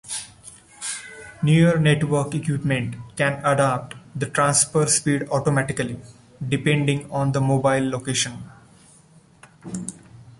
Newer network equipment can adapt the transfer speed automatically depending on the mobile location.